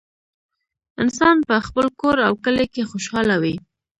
انسان په خپل کور او کلي کې خوشحاله وي